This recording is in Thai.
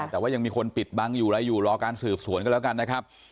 แต่ว่ายังมีคนปิดบังอยู่อะไรอยู่รอการสืบสวนกันแล้วกันนะครับ